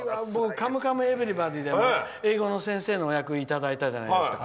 「カムカムエヴリバディ」でも英語の先生の役をいただいたじゃないですか。